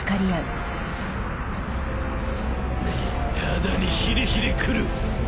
肌にヒリヒリくる。